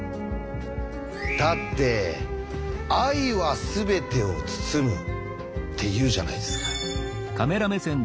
だって「ｉはすべてを包む」って言うじゃないですか。